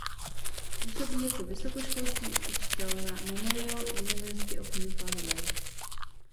Působí jako vysokoškolský učitel na Memorial University of Newfoundland.